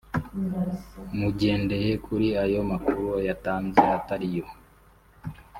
mugendeye kuri ayo makuru yatanze atari yo